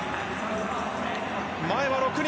前は６人。